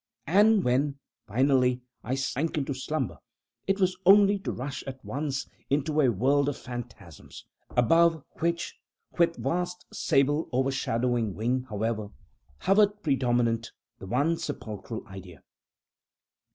And when, finally, I sank into slumber, it was only to rush at once into a world of phantasms, above which, with vast, sable, overshadowing wing, hovered, predominant, the one sepulchral Idea.